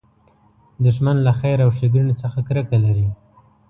دښمن له خیر او ښېګڼې څخه کرکه لري